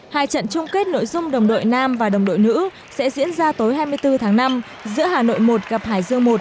hai trận chung kết nội dung đồng đội nam và đồng đội nữ sẽ diễn ra tối hai mươi bốn tháng năm giữa hà nội một gặp hải dương một